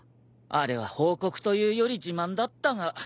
あれは報告というより自慢だったが。